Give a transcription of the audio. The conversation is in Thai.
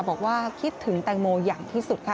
บอกว่าคิดถึงแตงโมอย่างที่สุดค่ะ